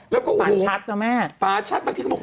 แล้วก็ป่าชัดนะแม่ป่าชัดบางทีเขาบอก